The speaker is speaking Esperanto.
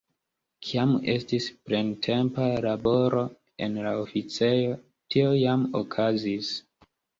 Kiam estis plentempa laboro en la oficejo, tio jam okazis.